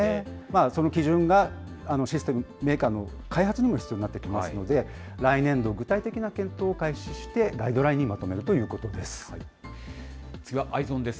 その基準が、システム、メーカーの開発にも必要になってきますので、来年度、具体的な検討を開始して、ガイド次はＥｙｅｓｏｎです。